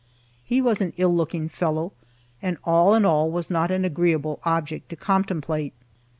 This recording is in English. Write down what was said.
He was an ill looking fellow, and all in all was not an agreeable object to contemplate.